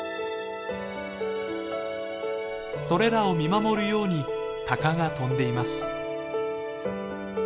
それらを見守るように鷹が飛んでいます。